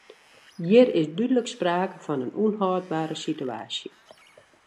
Hjir is dúdlik sprake fan in ûnhâldbere sitewaasje.